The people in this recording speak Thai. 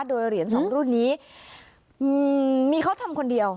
โดยเหรียญสองรุ่นนี้มีเขาทำคนเดียว